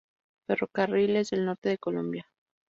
Ferrocarriles del Norte de Colombia.